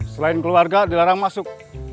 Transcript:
selain keluarga dilarang masuk